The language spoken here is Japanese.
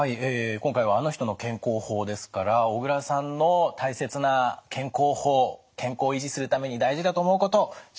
今回は「あの人の健康法」ですから小倉さんの大切な健康法健康を維持するために大事だと思うこと色紙に書いていただきました。